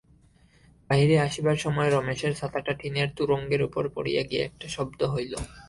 বাহিরে আসিবার সময় রমেশের ছাতাটা টিনের তোরঙ্গের উপর পড়িয়া গিয়া একটা শব্দ হইল।